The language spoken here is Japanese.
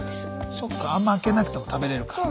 そうかあんま開けなくても食べれるから。